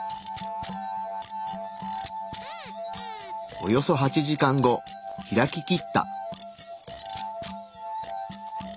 およそ８時間後開ききった。